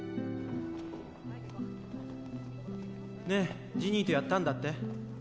ねえジニーとやったんだって？